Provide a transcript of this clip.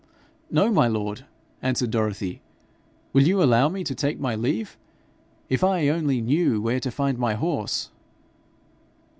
'No, my lord,' answered Dorothy. 'Will you allow me to take my leave? If I only knew where to find my horse!'